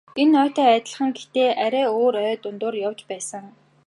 Энэ ойтой адилхан гэхдээ арай өөр ой дундуур явж байсан.